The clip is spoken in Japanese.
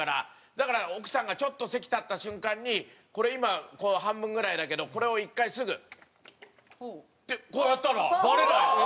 だから奥さんがちょっと席立った瞬間にこれ今半分ぐらいだけどこれを１回すぐってこうやったらバレない！